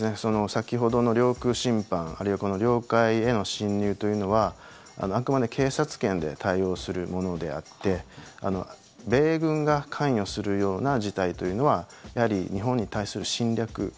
先ほどの領空侵犯あるいは領海への侵入というのはあくまで警察権で対応するものであって米軍が関与するような事態というのはやはり日本に対する侵略。